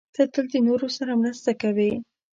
ته تل د نورو سره مرسته کوې.